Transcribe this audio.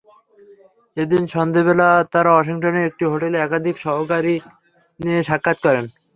এদিন সন্ধ্যাবেলা তাঁরা ওয়াশিংটনের একটি হোটেলে একাধিক সহকারী নিয়ে সাক্ষাৎ করেন।